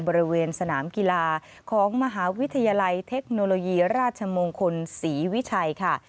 บริเวณสนามกีฬาของมหาวิทยาลัยเทคโนโลยีราชมงคลศรีวิชัยค่ะ